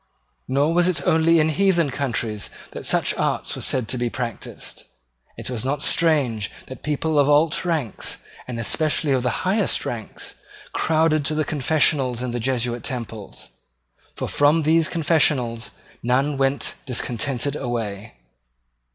Nor was it only in heathen countries that such arts were said to be practised. It was not strange that people of alt ranks, and especially of the highest ranks, crowded to the confessionals in the Jesuit temples; for from those confessionals none went discontented away.